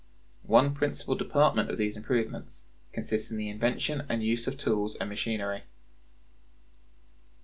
One principal department of these improvements consists in the invention and use of tools and machinery.